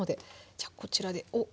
じゃあこちらでおっ！